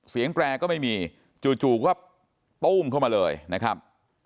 แตรก็ไม่มีจู่ก็ตู้มเข้ามาเลยนะครับ